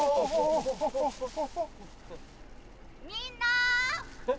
みんな！